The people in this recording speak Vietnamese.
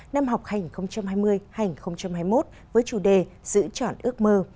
năm học hành hai mươi hai nghìn hai mươi một với chủ đề giữ chọn ước mơ